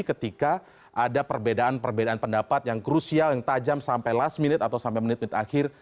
ketika ada perbedaan perbedaan pendapat yang krusial yang tajam sampai last minute atau sampai menit menit akhir